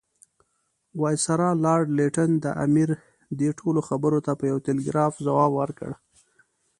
وایسرا لارډ لیټن د امیر دې ټولو خبرو ته په یو ټلګراف ځواب ورکړ.